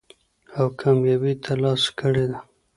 او کاميابي تر لاسه کړې ده.